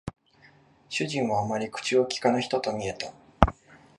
主人はあまり口を聞かぬ人と見えた